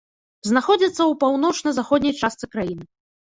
Знаходзіцца ў паўночна-заходняй частцы краіны.